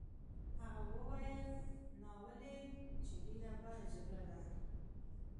هغه وویل: ناولې! چې ډېره بده جګړه ده.